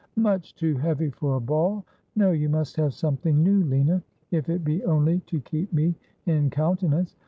' Much too heavy for a ball. No, you must have something new, Lina, if it be only to keep me in countenance.